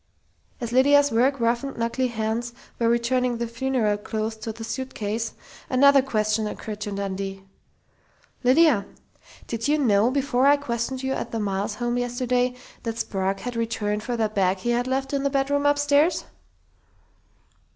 As Lydia's work roughened, knuckly hands were returning the funeral clothes to the suitcase, another question occurred to Dundee: "Lydia, did you know, before I questioned you at the Miles home yesterday, that Sprague had returned for that bag he had left in the bedroom upstairs?"